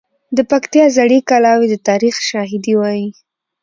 د پکتیا زړې کلاوې د تاریخ شاهدي وایي.